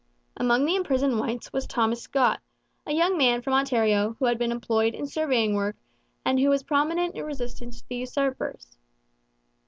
Among the imprisoned whites was Thomas Scott, a young man from Ontario who had been employed in surveying work and who was prominent in resistance to the usurpers.